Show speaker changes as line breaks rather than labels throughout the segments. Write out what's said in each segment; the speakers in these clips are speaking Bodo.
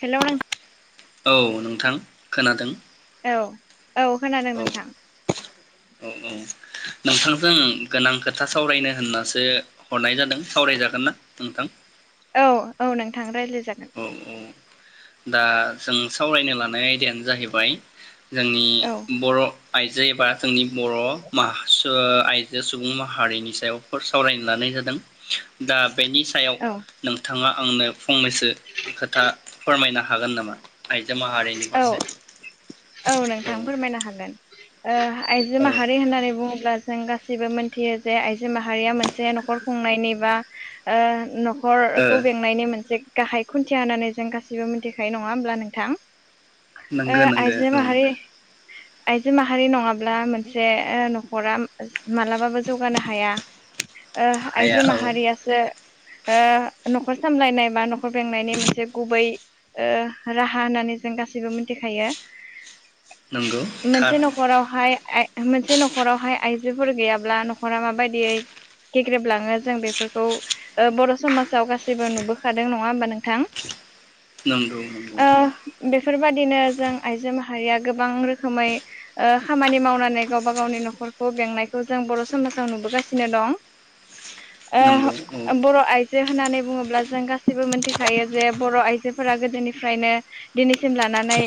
हेलौ नोंथां
औ नोंथां। खोनादों।
औ। औ खोनादों नोंथां।
औ औ नोंथांजों गोनां खोथा सावरायनो होननासो हरनाय जादों सावरायजागोन ना नोंथां?
औ औ नोंथां रायज्लाय जागोन।
औ दा जों सावरायनो लानाय आयदायानो जाहैबाय जोंनि
औ
बर' आइजो एबा जोंनि बर' माह सु ओ आइजो सुबुं माहारिनि सायाव फोर सावरायनो लानाय जादों दा बेनि सायाव
औ
नोंथाङा आंनो फंनैसो खोथा फोरमायनो हागोन नामा आइ जो माहारिनि
औ
फारसे।
औ नोंथां फोरमायनो हागोन ओ हा आइजो
ओ
माहारि होननानै बुङोब्ला जों गास सिबो मोनथियो जे आइ जो माहारिया मोनसे न'खर खुंनायनि बा ओ नख
ओ
खरखौ बेंनायनि मोनसे गाहाइ खुन्थिया होननानै जों गासिबो मिथिखायो नङा होमब्ला नोंथां? ओ
नोंगो नों
आइजो माहारि आइजो माहारि नङाब्ला ओ मोनसे नख'रा मालाबाबो जौगानो हाया ओ
हाया
आइजो
औ
माहारियासो ओ नख' खर सामलायनाय बा न खर बेंनायनि मोनसे गुबै ओ राहा होननानै जों गासैबो मिथिखायो।
नंगौ थार
मोनसे नख'रावहाय आइ मोनसे नख'राव हाया आइ जोफोर गैयाब्ला नख'रा माबायदियै गेग्रेबलाङो जों बेफोरखौ ओ बर समाजाव गासैबो नुबोखादों नङा होनबा नोंथां।
नंगौ नंगौ
ओ बेफोरबादिनो जों आइजो माहारिया गोबां रोखोमै ओ खामानि मावनानै गावबा गावनि न'खरखौ बेंनायखौ जों बर' समाजाव नुबोगासिनो दं। ओ
नंगौ औ
बर' आइजो होननानै बुङोब्ला जों गासिबो मोनथिखायो जे बर आइजोफोरा गोदोनिफ्रायनो दिनै। सिम लानानै।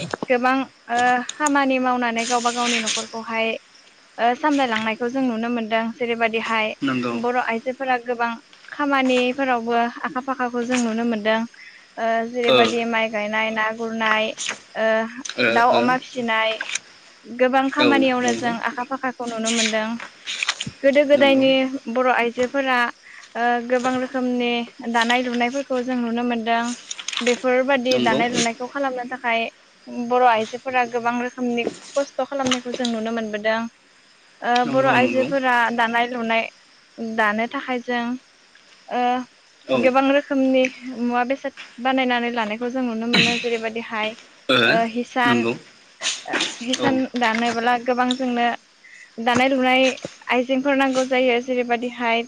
बां ओ खामानि मावनानै गावबा गावनि नखरखौहाय ओ सामलायलांनायखो जों नुनो मोनदों जेरैबायदिहाय
नंगौ
बर आइजोफोरा गोबां खामानिफोरावबो आखा फाखाखौ जों नुनो मोनदों ओ जेरैबायदि माइ गायनाय ना गुरनाय ओ।
ओ
दाउ अमा फिसिनाय। गोबां
ओ औ
खामानियावनो
नंगौ
जों आखा फाखाखौ नुनो मोनदों गोदो
नंगौ
गोदायनि बर आइजोफोरा ओ गोबां रोखोमनि दानाय लुनायफोरखौ जों नुनो मोनदों बेफोरबादि
नंगौ
दानाय लुनायखौ खालामनो थाखाय। बर आइजोफोरा गोबां रोखोमनि खस्थ खालामनायखौ जों नुनो मोनबोदों ओ बर
नंगौ नंगौ
आइजोफोरा दानाय लुनाय दानो थाखाय जों ओ
औ ओ
गोबां रोखोमनि मुवा बेसाद बानायनानै लानायखौ जों नुनो मोनो जेरैबायदिहाय।
ओ नोंगौ। औ
हिसान दानोब्ला गोबां जोंनो दानाय लुनाय आइजेंफोर नांगौ जायो जेरैबायदिहाय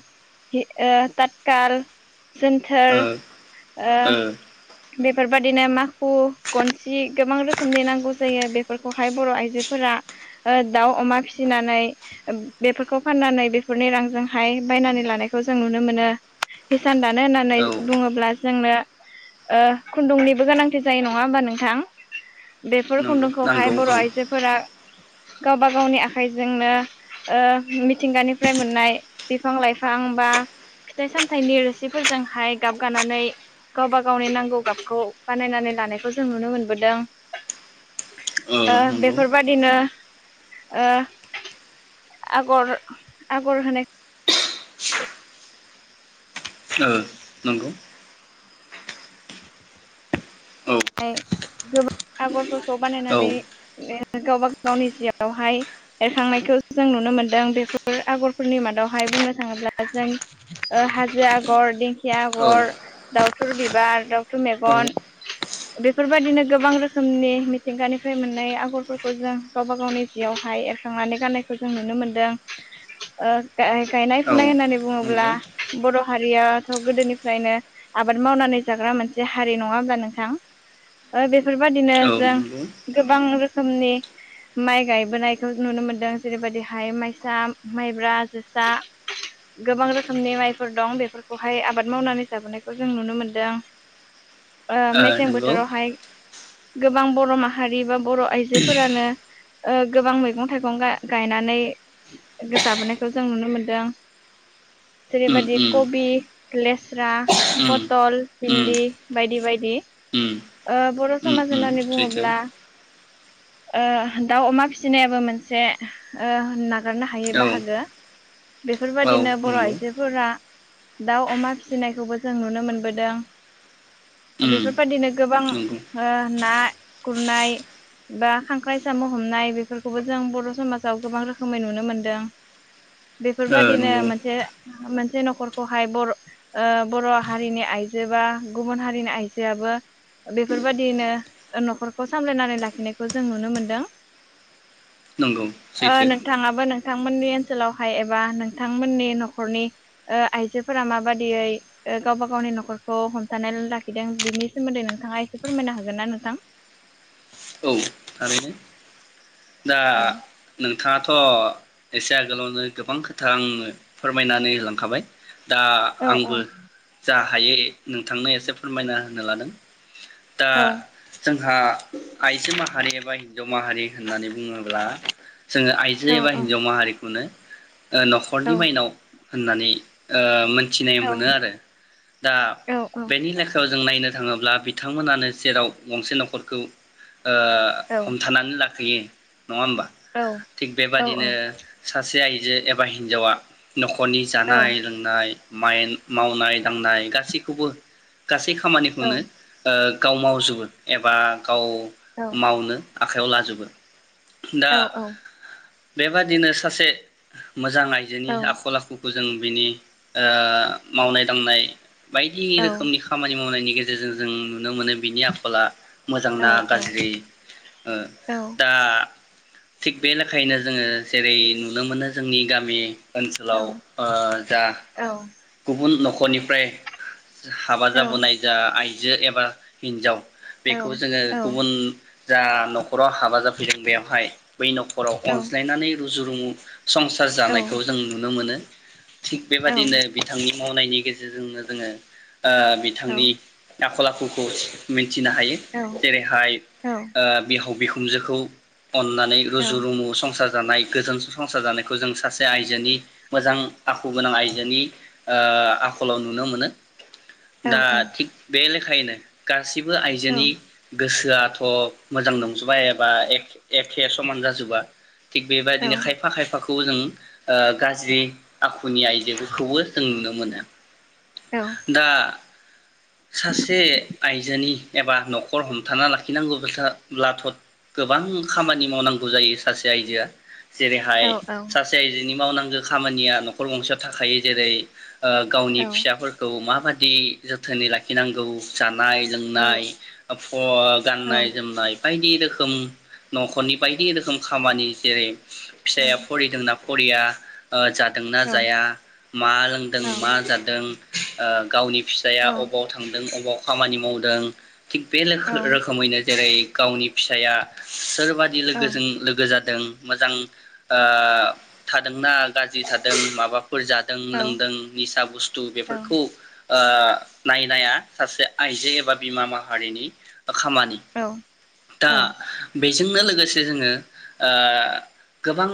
ओ तातखाल जोनथोर। ओ। बेफोरबायदिनो माखु गन। जि गोबां रोखोमनि नांगौ जायो बेफोरखौहाय बर आइजोफोरा ओ दाउ अमा फिसिनानै बेफोरखौ फाननानै बेफोरनि रांजोंहाय बायनानै लानायखौ जों नुनो मोनो हिसान दानो होननानै
औ
बुङोब्ला जोंनो ओ खुन्दुंनिबो गोनांथि जायो नङा होमबा नों। नोंथां बे। बेफोर
नंगौ
खुन्दुंखौहाय
नांगौ
बर
औ
आइजोफोरा। गावबा गावनि आखाइजोंनो ओ मिथिंगानिफ्राय मोननाय बिफां लाइफां बा फिथाइ सामथाइनि रोसिफोरजोंहाय गाब गानानै गावबा गावनि नांगौ गाबखौ बानायनानै लानायखौ जों। जों नुनो मोनबोदों ओ बेफोरबायदिनो ओ‌ आगर-आगर होनाय।
ओ नोंगौ। औ
गोबां आगरफोरखौ
औ
बानायनानै गावबा गावनि जिआवहाय एरखांनायखौ जों नुनो मोनदों बेफोर आगरफोरनि मादावहाय बुंनो थाङोब्ला ओ‌ जों हाजो आगर दिंखिया
औ
आगर दाउथुर बिबार दाउथुर मेगन। बेफोरबायदिनो गोबां रोखोमनि मिथिंगानिफ्राय मोननाय आगरफोरखौ जों गावबा गावनि जिआवहाय एरसखांनानै गाननायखौ जों नुनो मोनदों। गायनाय फुनाय
औ
होननानै बुङोब्ला।
नंगौ
बर हारियाथ गोदोनिफ्रायनो आबाद मावनानै जाग्रा मोनसे हारि नंङा होनबा नोंथां। ओ बेस। बेफोरबायाददिनो
औ
जों
नंगौ
गोबां रोखोम। रोखोमनि माइ गायबोनायखौ नुनो मोनदों जेरैबायदिहाय माइसा, माइब्रा, जोसा गोबां रोखोमनि माइफोर दं बेफोरखौहाय आबाद मावनानै जाबोनायखौ जों नुनो मोनदों। ओ मेसेें बोद। देरावहाय। गोबां बर माहारि बा। बर आइजोफोरानो। ओ गोबां मैगं-थाइगं गायनानै जाबोनायखौ जों नुनो मोनदों।
उम
जेरैबादि
उम
कबि। लेस्रा,
उम
पथल,
उम
भिन्दि बायदि-बायदि।
उम
ओ बरस।
उम
समाज
उम
होननानै
सैथो
बुङोब्ला। ओ दाउ अमा फिसिनायाबो मोनसे ओ‌ होनना। हगारनो हायो
औ
बाहागो।
औ
बेफोरबायदिनो बर
नंगौ
आइजोफोरा। दाउ अमा फिसिनायखौबो जों नुनो मोनबोदों
उम
बेफोरबायदिनो। गोबां
नंगौ
ओ ना गुरनाय बा खांख्राइ साम हमनाय बेफोरखौबो जों बर समाजाव गोबां रोखोमै नुनो मोनदों
ओ
बेफोरबायदिनो
नंगौ
मोनसे मोनसे नखरखौहाय बर ओ बरहारिनि आइजो बा गुबुन हारिनि आइजोआबो बेफोरबायदिनो नखरखौ सामलायनानै लाखिनायखौ जों नुनो मोनदों
नंगौ
ओ
सैथो
नोंथाङाबो नों नोंथांमोननि ओनसोलावहाय एबा नोंथांमोननि नखरनि ओ आइजोफोरा माबादियै ओ गावबा गावनि नखरखौ हमथानानै लाखिदों बिनि सोमोन्दै नों नोंथाङा एसे फोरमायनो हागोन ना नोंथां
औ थारैनो दा
औ
नोंथाङाथ एसे आगोलावनो गोबां खोथा आनो फोरमायनानै होलांखाबाय। दा आंबो जा हायो नोंथांनो एसे फोरमायना होनो लादों दा जों हा आइजो माहारि एबा हिन्जाव माहारि होननानै बुङोब्ला जोङो आइजो एबा हिन्जाव माहारिखौनो ओ न'खरनि माइनाव होननानै ओ मोन थिनाय मोनो आरो दा बेनि लेखायाव जों नायनो थाङोब्ला बिथांमोनानो जेराव गंसे न'खरखौ ओ हमथानानै ला खियो नङा होमबा थिग बेबादिनो सासे आइ ए एबा हिन्जावा न'खरनि जानाय लोंनाय मायेन मावनाय दांनाय गासैखौबो गासैखौ खामानिखौनो ओ गाव मावजोबो एबा गाव मावनो आखायाव लाजोबो दा
औ औ
बेबादिनो सासे मोजां आइजोनि आखल आखु खौ जों बिनि ओ मावनाय दांनाय बायदि रोखोमनि खामानि मावनायनि गेजेरजों जों नुनो मोनो बिनि आखला मोजां ना गाज्रि ओ दा थिग बे लेखायैनो जोङो जेरै नुनो मोनो जोंनि गामि ओनसोलाव ओ जा गुबुन न खरनिफ्राय हाबा जाबोनाय जा आइ जे एबा हिन्जाव
औ औ।
उम जा न'खराव हाबा जा फैदों बेवहाय बै न'खराव अनज्लायनानै रुजु रुमु संसार जानायखौ जों नुनो मोनो। थिग बेबादिनो बिथांनि मावनायनि गेजेरजोंनो जोङो ओ बिथांनि आखल आखुखौ मिन थिनो हायो। जेरैहाय ओ बिहाव बिखुन जोखौ अननानै रुजु रुमु संसार जानाय गोजोन संसार जानायखौ जों सासे आइजोनि मोजां आखु गोनां आइजोनि ओ आखलाव नुनो मोनो। दा थिक बेले खायनो गा सिबो आइजोनि गोसोआथ' मोजां नंजोबा एबा एख एखे समान जाजोबा। थिक बेबायदिनो खायफा खायफाखौ खौ जों ओ गाज्रि आखुनि आइजोफोरखौबो जों नुनो मोनो। दा सासे आइजोनि एबा न' खर हमथाना लाखिनांगौ खोथा ब्लाथ' गोबां खामानि मावनांगौ जायो सासे आइजोआ। जेरैहाय सासे आइजोनि मावनां खामानिया न'खर गंसेयाव थाखायो जेरै ओ गावनि फिसाफोरखौ मा माबादि जोथोनै लाखिनांगौ जान जानाय लोंनाय ओ फ गाननाय जोमनाय बायदि रोखोम न'खरनि बायदि रोखोम खामानि जेरै फिसाया फरिदोंना फरिया ओ जादोंना जाया मा लोंदों मा जादों। ओ गावनि फिसाया अबाव थांदों अबाव खामानि मावदों थिग बे लोख रोखोमैनो जेरै गावनि फिसाया सोर सोरबादि लोगोजों लोगो जाद दों मोजां ओ थादोंना गाज्रि थादों माबा फोर जादों लोंदों निसा बुस्थु बेफोरखौ ओ नायनाया सासे आइजो एबा बिमा मा हारिनि खामानि दा बेजोंनो लोग लोगोसे जोङो ओ गोबां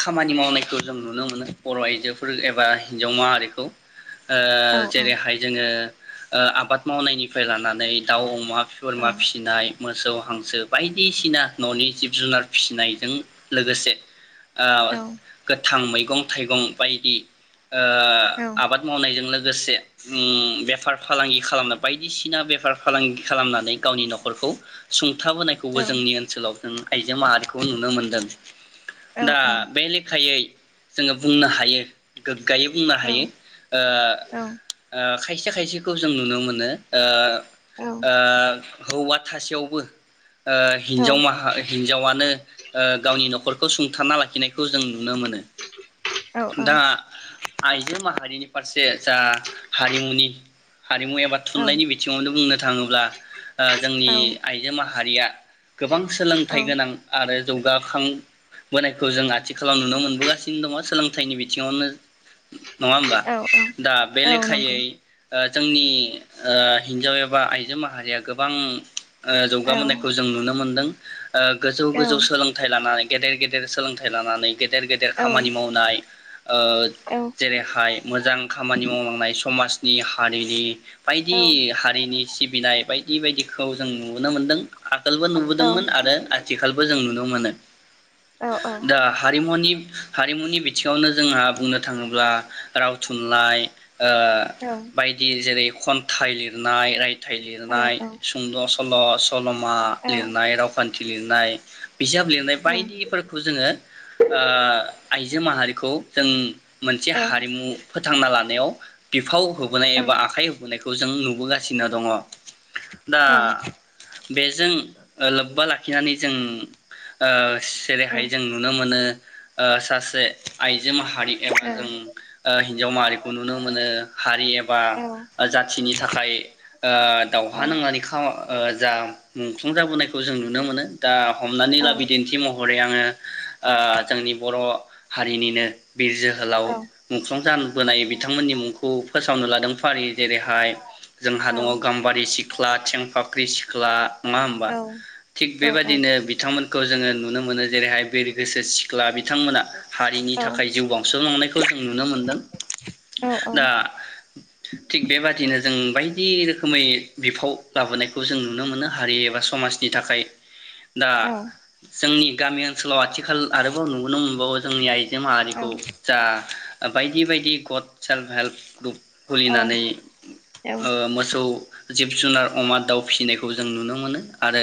खामानि मावनायखौ जों नुनो मोनो बर' आइजोफोर एबा हिन्जाव माहारिखौ ओ जेरैहाय जोङो ओ आबाद मावनायनिफ्राय लानानै दाउ अमा बोरमा फिसिनाय मोसौ हांसो बायदिसिना न'नि जिब जुनार फिसिनायजों लोगोसे ओ गोथां मै मैगं थाइगं बायदि ओ आबाद मावनायजों लोग लोगोसे उम बेफार फालांगि खालामनाय बायदिसिना बेफार फालांगि खालामनानै गावनि न'खरखौ सुं था बोनायखौबो
औ औ
जोंनि ओनसोलाव नों आइजो माहारिखौ नुनो मोनदों।
औ
दा बे लेखायै जोङो बुंनो हायो। गोग्गायै बुंनो
औ
हायो। ओ
औ
ओ खायसे खायसेखौ जों नुनो मोनो ओ
औ
ओ हौवा थासेयावबो ओ
औ
हिन्जाव माह हिन्जावानो ओ गावनि न'खरखौ सुं फोथांना लाखिखौ जों नुबोदों। नुनो मोनो
औ
नोंथांआ आइजो माहारिखौ। हारिनि फारसे जा हारिमुनि हारिमु एबा थुनलाइनि बिथिङावनो बुं थाङोब्ला
औ
जोंनि आइजो माहारिया माहारिया गोबां सोलोंथाइ गोनां आरो जौगाखांबोनायखौ जों आथिखालाव नुनो मोनबोगासिनो दङ सोलोंथाइनि बिथिङावनो नङा होमबा
औ
दा बे
औ
लेखायै
नंगौ
जोंनि ओ हिनजाव एबा आइजो माहारिया गोबां
औ
जौगाबोनायखौ जों नुनो मोन्दों ओ गोजौ
औ
गोजौ सोलोंथाइ लानानै। गेदेर गेदेर सोलोंथाइ लानानै गेदेर गेदेर
औ
खामानि मावनाय। ओ जेरैहाय मोजां खामानि मावलांनाय समाजनि समाजनि हारिनि
औ
बायदि हारिनि सिबिनाय बायदि बायदिखौ जों नुनो मोनदों आगोलबो नुबोदोंमोन आरो आथिखालावबो जों नुदों नुनो मोनो।
औ
दा हारिमुनि हारिमुनि। बिथिङावनो जोंहा बुंनो थाङोब्ला राव थुनलाइ। ओ बायदि जेरै खन्थाइ लिरनाय रायथाय रायथाइ लिरनाय
औ
सुंद' सल। सल' सल'मा
औ औ
लिरनाय रावखान्थि थि लिरनाय बिजाब लिरनाय
नोंथां
बायदिफोरखौ जोंङो ओ आइजो माहारिखौ जों मोनसे हारिमु फोथांना लानायाव बिफाव होबोनाय बा आखाय होबोनाय खौ जों नुबोगासिनो दङ । दा बेजों लोब्बा लाखिनानै जों ओ जेरैहाय जों नुनो मोनो ओ सासे आइजो मा हारि एबा जों हिन्जाव माहारिखौ नुनो मोनो हारि एबा जाथिनि थाखाय ओ दावहा नांनानै खा ओ जा मुंख्लं जाबोनायखौ जों नुनो मोनो दा हमनानै लाबो दिन्थि महरै आंङो ओ जोंनि बर' हारिनिनो बिर जोहोलाव मुंख्लं जान बोनाय बिथांमोननि मुंखौ फार्स्ट लादों फारि जेरैहाय जों दङ गाम्बारि सि सिख्ला थेंफाख्रि सिख्ला नङा होमबा थिग
औ
बेबायदिनो बिथांमोनखौ जोंङो नुनो मोनो जेरैहाय बिरगोसि सिख्ला बिथांमोना हारिनि थाखाय जिउ बावसोमलांनायखौ जों नुनो मोनदों दा थिग बेबादिनो जों बायदि रोखोमै बिफाव लाबोनायखौ जों नुनो मोनो हारि एबा समाजनि थाखाय दा जोंनि गामि ओनसोलाव आथिखाल आरोबाव नुबोनो मोनबावो जोंनि आइजो माहारिखौ जा बायदि बायदि गड सेल्फ हेल्प ग्रुप
औ
खुलिनानै
औ
ओ मोसौ जिब जुनार अमा दाउ फिसिनायखौ जों नुनो मोनो । आरो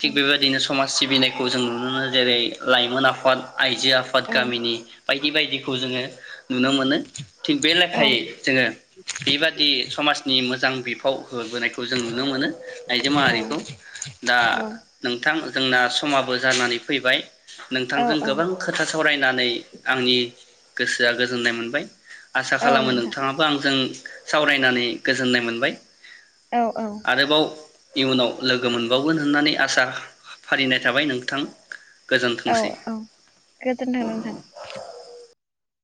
थिग बेबायदिनो समाज सिबिनायखौ जों नुनो मोनो जेरै लाइमोन आफाद आइजो आफाद गामिनि बायदि बायदिखौ जोङो नुनो मोनो। थिग बे लेखायै जोङो बेबादि समाज नि मोजां बिफाव होबोनायखौ जों नुनो मोनो। आइजो माहारिखौ। दा नोंथां जोंना समाबो जानानै फैबाय नोंथांजों गोबां खोथा सावरायनानै आंनि गोसोआ गोजोननाय मोनबाय। आसा खालामो नोंथाङाबो आंजों सावरायनानै गोजोननाय मोनबाय।
औ औ
आरोबाव इयुनाव लोगो मोनबावगोन होननानै आसा फारिनाय थाबाय नोंथां
औ
गोजोनथोंसै।
औ गोजोनथों नोंथां‌।